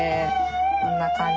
こんな感じで。